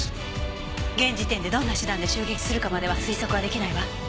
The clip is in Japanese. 現時点でどんな手段で襲撃するかまでは推測は出来ないわ。